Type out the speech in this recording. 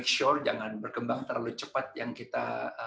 shor jangan berkembang terlalu cepat yang kita